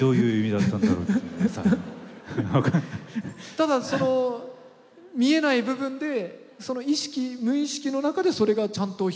ただその見えない部分でその無意識の中でそれがちゃんと表現できてたという。